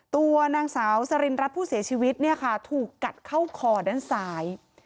ตัวนางสาวสรินรัฐผู้เสียชีวิตเนี่ยค่ะถูกกัดเข้าคอด้านซ้าย